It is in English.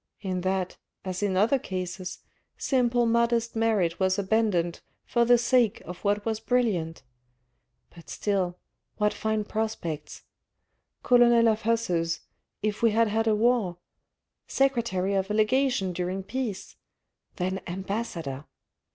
In that, as in other cases, simple modest merit was abandoned for the sake of what was brilliant. "But still, what fine prospects? Colonel of Hussars, if we had had a war : secretary of a legation during peace : then ambassador